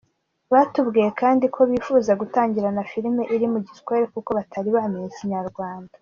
Batubwiye kandi ko bifuza gutangirana filime iri mu Giswahili kuko batari bamenya Ikinyarwanda.